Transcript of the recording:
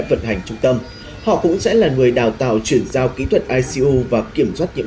vận hành trung tâm họ cũng sẽ là người đào tạo chuyển giao kỹ thuật icu và kiểm soát nhiễm